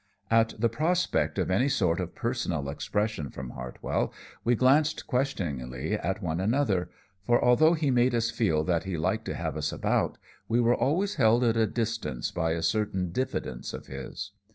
At the prospect of any sort of personal expression from Hartwell, we glanced questioningly at one another; for although he made us feel that he liked to have us about, we were always held at a distance by a certain diffidence of his.